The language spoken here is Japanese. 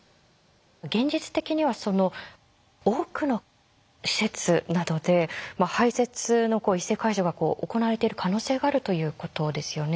現実的には多くの施設などで排せつの異性介助が行われている可能性があるということですよね。